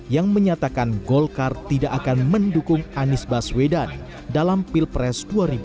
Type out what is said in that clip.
yang menyatakan golkar tidak akan mendukung anies baswedan dalam pilpres dua ribu dua puluh